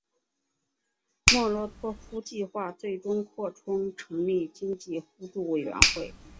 莫洛托夫计划最终扩充成立经济互助委员会。